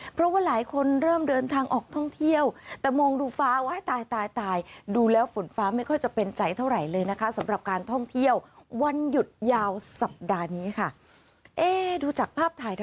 เพราะว่าหลายคนเริ่มเดินทางออกท่องเที่ยวแต่มองดูฟ้าว่าให้ตายตายตาย